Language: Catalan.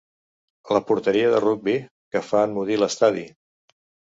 La porteria de rugbi que fa emmudir l'estadi.